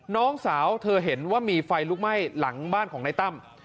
น้องสาวเธอเห็นว่ามีไฟลุกไหม้หลังบ้านของนายตั้ม